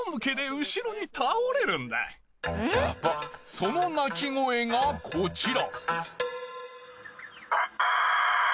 その鳴き声がこちら。